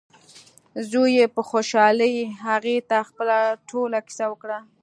زوی یې په خوشحالۍ هغې ته خپله ټوله کیسه وکړه.